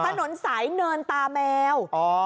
ถนนสายเนินตาแมว